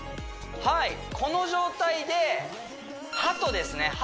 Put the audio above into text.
はいこの状態でハトですね